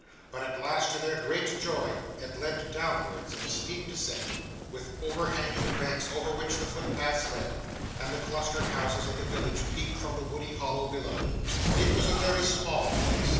But at last, to their great joy, it led downwards in a steep descent, with overhanging banks over which the footpaths led; and the clustered houses of the village peeped from the woody hollow below. It was a very small place.